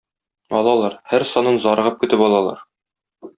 Алалар, һәр санын зарыгып көтеп алалар.